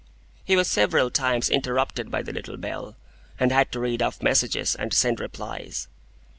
He was several times interrupted by the little bell, and had to read off messages, and send replies.